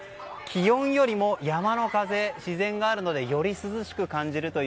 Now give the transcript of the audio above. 気温よりも山の風、自然があるのでより涼しく感じると